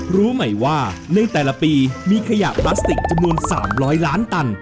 รู้ใหม่ว่าในแต่ละปีมีขยะพลาสติกจำนวน๓๐๐ล้านตัน